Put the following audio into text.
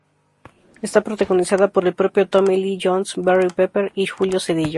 Está protagonizada por el propio Tommy Lee Jones, Barry Pepper y Julio Cedillo.